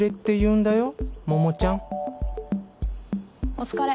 お疲れ。